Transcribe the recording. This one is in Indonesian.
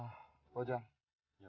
tolong jagain dia